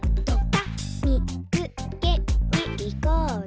「みつけにいこうぜ」